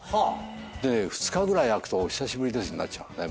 で２日ぐらい空くとお久しぶりですになっちゃうのね。